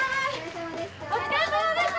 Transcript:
お疲れさまでした。